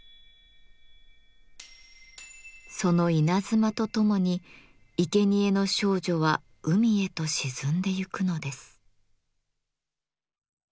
その稲妻とともにいけにえの少女は海へと沈んでゆくのです。